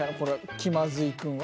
気まずいくんは。